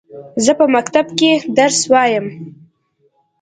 زه په مکتب کښي درس وايم.